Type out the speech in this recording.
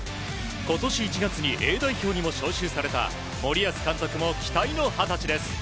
今年１月にＡ代表にも招集された森保監督も期待の二十歳です。